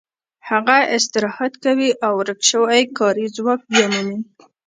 هغه استراحت کوي او ورک شوی کاري ځواک بیا مومي